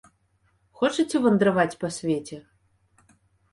Хочаце вандраваць па свеце?